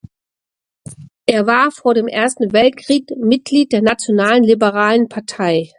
Er war vor dem Ersten Weltkrieg Mitglied der National Liberalen Partei.